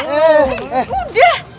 eh eh eh udah